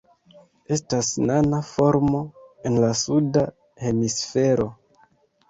Estas nana formo en la Suda Hemisfero.